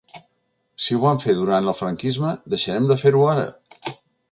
Si ho vam fer durant el franquisme, deixarem de fer-ho ara?